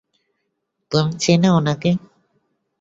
তুমি চেনো ওনাকে?